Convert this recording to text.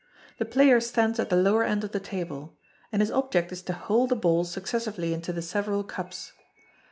The player stands at the lower end of the table; and his object is to hole the balls sucessively into the several cups.